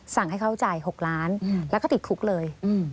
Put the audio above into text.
สั่งให้เขาจ่าย๖ล้านแล้วก็ติดคุกเลย